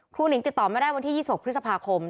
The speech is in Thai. หนิงติดต่อไม่ได้วันที่๒๖พฤษภาคม